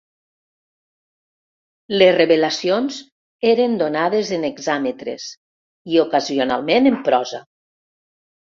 Les revelacions eren donades en hexàmetres i ocasionalment en prosa.